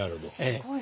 すごい。